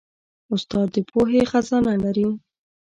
استاد د پوهې خزانه لري.